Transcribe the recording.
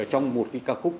trong một cái ca khúc